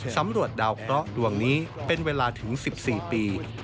สำรวจดาวเคราะห์ดวงนี้เป็นเวลาถึง๑๔ปี